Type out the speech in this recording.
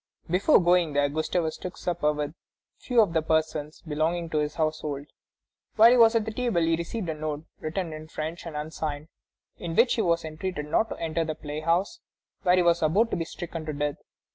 Before going there, Gustavus took supper with a few of the persons belonging to his household. While he was at table he received a note, written in French and unsigned, in which he was entreated not to enter the playhouse, where he was about to be stricken to death.